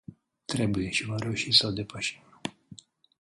Trebuie și vom reuși să o depășim.